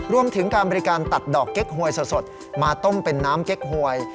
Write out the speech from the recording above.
รวมถึงการบริการตัดดอกเก๊กหวยสดมาต้มเป็นน้ำเก๊กหวย